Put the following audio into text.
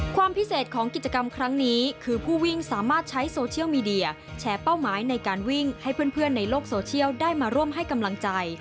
ความพิเศษของกิจกรรมครั้งนี้คือผู้วิ่งสามารถใช้โซเชียลมีเดียแชร์เป้าหมายในการวิ่งให้เพื่อนในโลกโซเชียลได้มาร่วมให้กำลังใจ